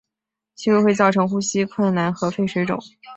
吸入会造成呼吸困难和肺水肿。